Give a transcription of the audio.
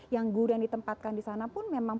yang guru yang ditempatkan di sana pun memang